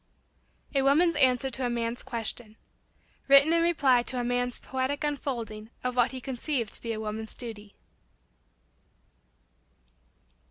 199 A WOMAN'S ANSWER TO A MAN'S QUESTION. [Written in reply to a man's poetic unfolding of what he conceived to be a woman's duty.